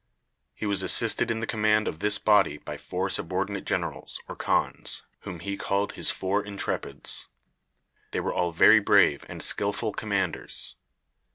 He was assisted in the command of this body by four subordinate generals or khans, whom he called his four intrepids. They were all very brave and skillful commanders.